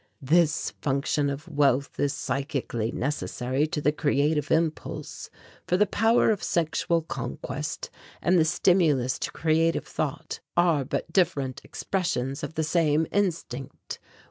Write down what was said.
This function of wealth is psychically necessary to the creative impulse, for the power of sexual conquest and the stimulus to creative thought are but different expressions of the same instinct.